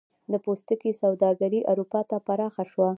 د پوستکي سوداګري اروپا ته پراخه شوه.